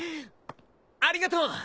ありがとう。